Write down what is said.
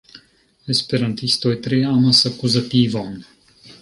Esperantistoj tre amas akuzativon.